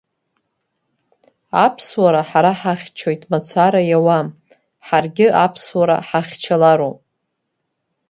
Аԥсуара ҳара ҳахьчоит мацара иауам, ҳаргьы аԥсуара ҳахьчалароуп.